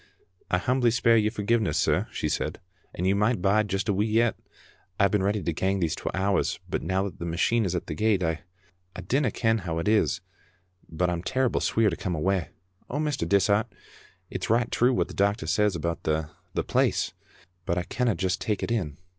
"I humbly speir your forgiveness, sir," she said, " and you micht bide just a wee yet. I've been ready to gang these twa hours, but now that the machine is at the gate, I dinna ken how it is, but I'm terrible sweer to come awa'. Oh, Mr. Dishart, it's richt true what the doctor says about the — the place, but I canna just take it in.